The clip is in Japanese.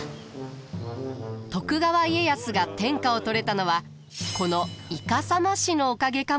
徳川家康が天下を取れたのはこのイカサマ師のおかげかもしれません。